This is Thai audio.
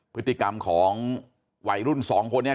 พฤติกรรมของไหวรุ่น๒คนนี้